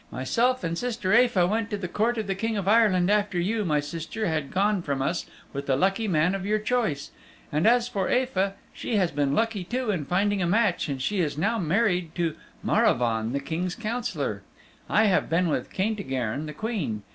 Myself and sister Aefa went to the court of the King of Ireland after you, my sister, had gone from us with the lucky man of your choice. And as for Aefa, she has been lucky too in finding a match and she is now married to Maravaun the King's Councillor. I have been with Caintigern the Queen.